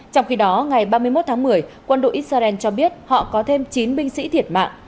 trong khi đó ngày ba mươi một tháng một mươi quân đội israel cho biết họ có thêm chín binh sĩ thiệt mạng